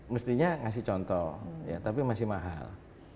mestinya ngasih contoh ya tapi masih mahal